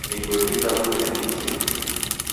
Nigue vitabu veandikia.